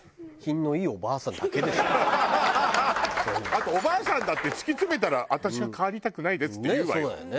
あとおばあさんだって突き詰めたら「私は代わりたくないです」って言うわよ。